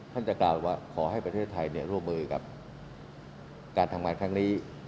จะกล่าวว่าขอให้ประเทศไทยร่วมมือกับการทำงานครั้งนี้